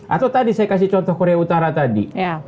atau tadi saya kasih contoh korea utara tadi